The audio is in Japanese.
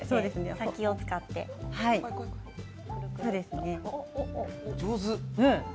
刃先を使って上手。